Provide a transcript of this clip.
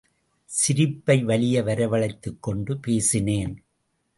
சிரிப்பை வலிய வரவழைத்துக் கொண்டு பேசினேன்.